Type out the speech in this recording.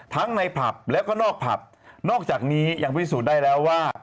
ทั้งในผับแล้วก็นอกผับนอกจากนี้ยังพิสูจน์ได้แล้วว่า